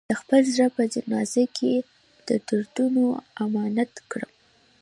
د خپل زړه په جنازه کې د دردونو امامت کړم